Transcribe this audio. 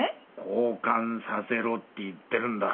交換させろって言ってるんだ。